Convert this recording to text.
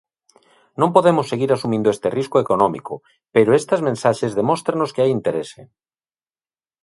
Non podemos seguir asumindo este risco económico, pero estas mensaxes demóstranos que hai interese.